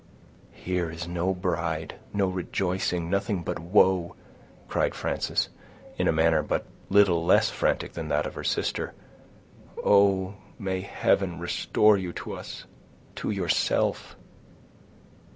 "Here is no bride, no rejoicing, nothing but woe!" cried Frances, in a manner but little less frantic than that of her sister. "Oh! may heaven restore you to us—to yourself!"